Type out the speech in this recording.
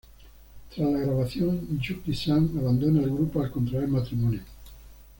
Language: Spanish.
Tras la grabación, Yuki-San abandona el grupo al contraer matrimonio.